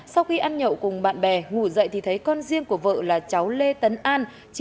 sau khi ăn nhậu cùng bạn bè ngủ dậy thì thấy con riêng của vợ là cháu lê tấn an